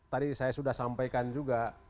tadi saya sudah sampaikan juga